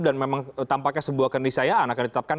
dan memang tampaknya sebuah kendisayaan akan ditetapkan